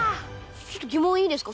ちょっとギモンいいですか？